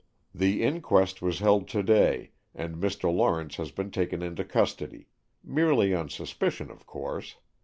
"The inquest was held today, and Mr. Lawrence has been taken into custody, merely on suspicion, of course.